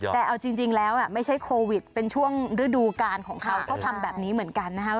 แต่เอาจริงแล้วไม่ใช่โควิดเป็นช่วงฤดูกาลของเขาก็ทำแบบนี้เหมือนกันนะครับ